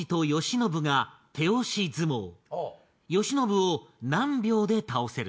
喜伸を何秒で倒せる？